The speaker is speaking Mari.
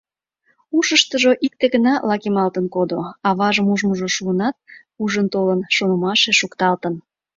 Ушыштыжо икте гына лакемалтын кодо: аважым ужмыжо шуынат, ужын толын, шонымашыже шукталтын.